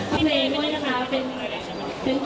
เฮ้ขอบคุณเลย